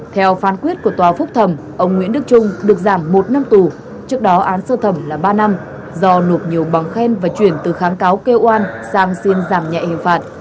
theo phán quyết của tòa phúc thẩm ông nguyễn đức trung được giảm một năm tù trước đó án sơ thẩm là ba năm do nộp nhiều bằng khen và chuyển từ kháng cáo kêu oan sang xin giảm nhẹ hình phạt